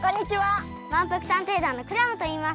まんぷく探偵団のクラムといいます。